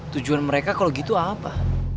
tujuan mereka kalau gitu apa